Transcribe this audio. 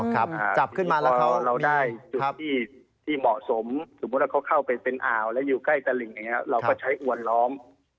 จับขึ้นมาแล้วเราได้จุดที่เหมาะสมสมมุติว่าเขาเข้าไปเป็นอ่าวแล้วอยู่ใกล้ตะหลิ่งอย่างนี้เราก็ใช้อวนล้อม